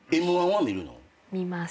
見ます。